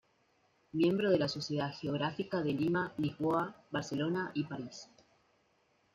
Miembro de la Sociedad Geográfica de Lima, Lisboa, Barcelona y París.